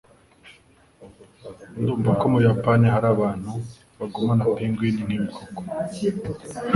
Ndumva ko mubuyapani hari abantu bagumana pingwin nkibikoko.